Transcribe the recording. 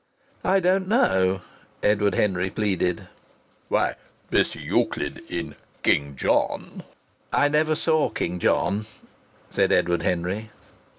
"I don't know," Edward Henry pleaded. "Why Miss Euclid in 'King John' " "I never saw 'King John,'" said Edward Henry.